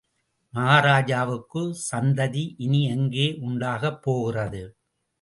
மகாராஜாவுக்குச் சந்ததி இனி எங்கே உண்டாகப் போகிறது?...